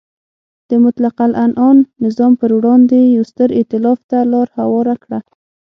د مطلقه العنان نظام پر وړاندې یو ستر ایتلاف ته لار هواره کړه.